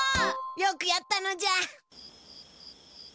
よくやったのじゃ！